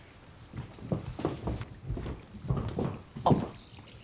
あっ。